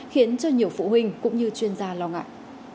khiến cho nhiều phụ huynh cũng như chuyên gia lo ngại